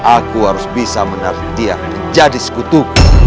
aku harus bisa menarik dia menjadi sekutu